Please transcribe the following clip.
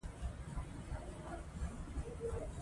د ژبي د ودې لپاره رسنی مهمي دي.